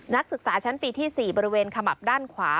นักศึกษาชั้นปีที่๔บริเวณขมับด้านขวา